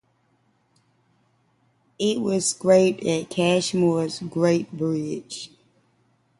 It was scrapped at Cashmore's, Great Bridge.